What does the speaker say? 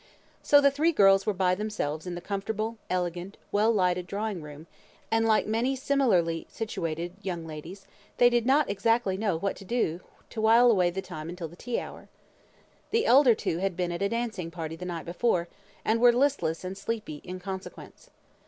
So the three girls were by themselves in the comfortable, elegant, well lighted drawing room; and, like many similarly situated young ladies, they did not exactly know what to do to while away the time until the tea hour. The elder two had been at a dancing party the night before, and were listless and sleepy in consequence.